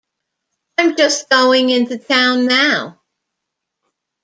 I'm just going into town now.